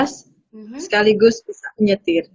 sekaligus bisa menyetir